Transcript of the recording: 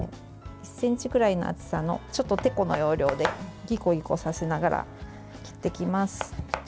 １ｃｍくらいの厚さでてこの要領でギコギコさせながら切っていきます。